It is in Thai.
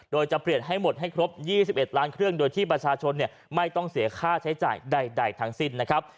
โดยจะเปลี่ยนให้หมดให้ครบ๒๑ล้านเครื่องโดยที่ประชาชนไม่ต้องเสียค่าใช้จ่ายใดทั้งสิ้นนะครับ